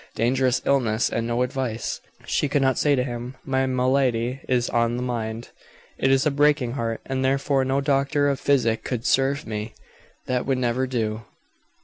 Dangerous illness and no advice!" She could not say to him, "My malady is on the mind; it is a breaking heart, and therefore no doctor of physic could serve me." That would never do.